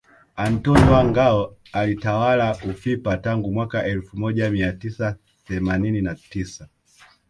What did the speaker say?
Antony wa Ngao alitawala ufipa tangu mwaka elfu moja mia tisa themanini na tisa